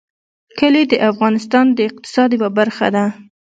کلي د افغانستان د اقتصاد یوه برخه ده.